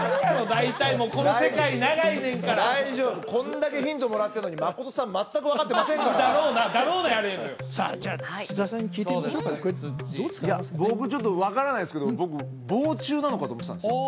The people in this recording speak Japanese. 大体もうこの世界長いねんから大丈夫こんだけヒントもらってんのに真さん全く分かってませんからだろうな「だろうな」やあらへんのよじゃあ土田さんに聞いてみましょうか僕ちょっと分からないですけどなのかと思ってたんですよ